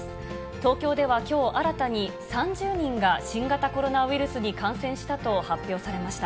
東京ではきょう、新たに３０人が新型コロナウイルスに感染したと発表されました。